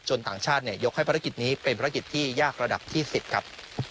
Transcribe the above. ต่างชาติยกให้ภารกิจนี้เป็นภารกิจที่ยากระดับที่๑๐ครับ